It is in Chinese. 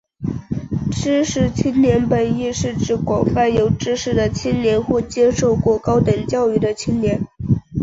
知识青年本义是泛指有知识的青年或者接受过高等教育的青年。